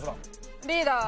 リーダー。